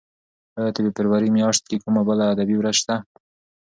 ایا د فبرورۍ میاشت کې کومه بله ادبي ورځ شته؟